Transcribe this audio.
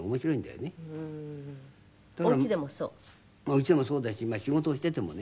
家でもそうだし仕事をしていてもね。